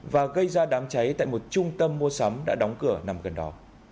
và gây ra đám cháy tại một trung tâm mua sắm đã đóng cửa nằm gần đó